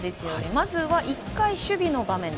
まずは１回、守備の場面。